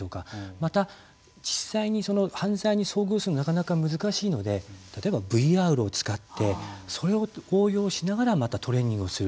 また、実際に犯罪に遭遇するのはなかなか難しいので例えばＶＲを使ってそれを応用しながらまたトレーニングをする。